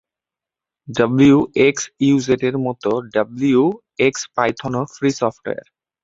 ডব্লিউএক্সউইজেটের মত, ডব্লিউএক্সপাইথনও free software.